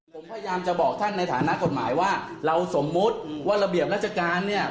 ผมพยายามจะบอกท่านในฐานะกฎหมายว่าเราสมมุติว่าระเบียบราชการเนี่ย